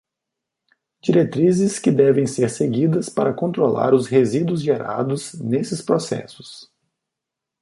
Diretrizes que devem ser seguidas para controlar os resíduos gerados nesses processos.